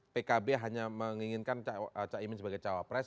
pkb hanya menginginkan cak imin sebagai cawapres